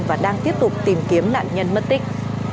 và đang tiếp tục tìm kiếm nạn nhân mất tích